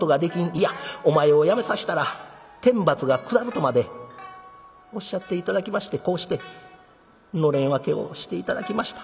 いやお前をやめさしたら天罰が下る』とまでおっしゃって頂きましてこうしてのれん分けをして頂きました。